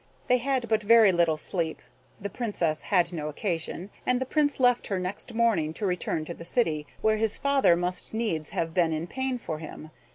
They had but very little sleep the Princess had no occasion; and the Prince left her next morning to return to the city, where his father must needs have been in pain for him.